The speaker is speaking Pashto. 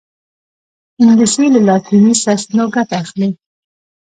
انګلیسي له لاطیني سرچینو ګټه اخلي